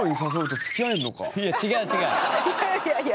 いや違う違う。